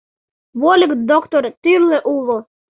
Вольык доктор тӱрлӧ уло.